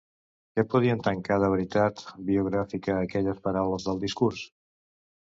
Què podien tancar de veritat biogràfica aquelles paraules del discurs?